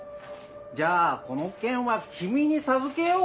じゃあこの剣は君に授けよう！